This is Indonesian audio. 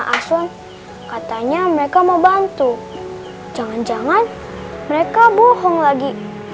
aswan katanya mereka mau bantu jangan jangan mereka bohong lagi